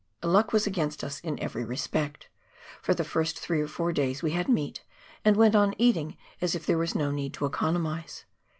Luck was against us in every respect ; for the first three or four days we had meat, and went on eating as if there was no need to economise.